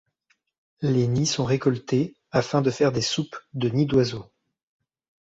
Les nids sont récoltés afin de faire des soupes de nids d'oiseaux.